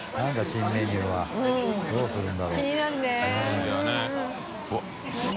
新メニューはどうするんだろう？井森）